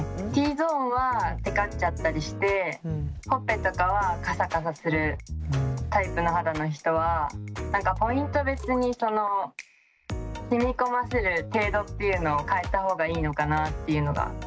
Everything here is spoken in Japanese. Ｔゾーンはテカっちゃったりしてほっぺとかはカサカサするタイプの肌の人はポイント別に染み込ませる程度っていうのを変えた方がいいのかなっていうのが。